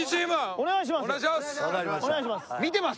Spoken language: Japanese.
お願いします。